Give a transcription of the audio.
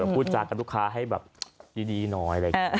พูดจากลูกค้าให้ดีหน่อย